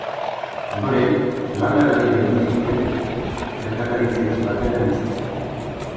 Ondoren, Zeelanda Berrira itzuli zen merkataritza-etxe batean aritzeko.